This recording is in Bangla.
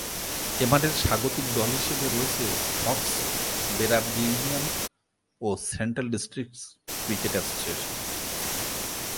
এ মাঠের স্বাগতিক দল হিসেবে রয়েছে হক’স বে রাগবি ইউনিয়ন ও সেন্ট্রাল ডিস্ট্রিক্টস ক্রিকেট অ্যাসোসিয়েশন।